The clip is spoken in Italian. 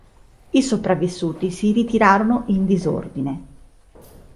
I sopravvissuti si ritirarono in disordine.